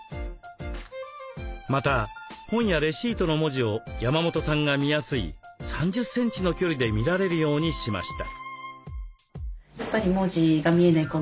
また本やレシートの文字を山本さんが見やすい３０センチの距離で見られるようにしました。